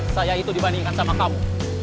saya itu dibandingkan sama kamu